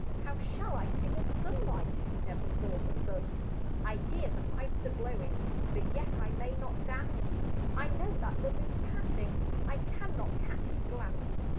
How shall I sing of sunlight Who never saw the sun? I hear the pipes a blowing, But yet I may not dance, I know that Love is passing, I cannot catch his glance.